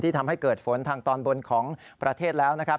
ทำให้เกิดฝนทางตอนบนของประเทศแล้วนะครับ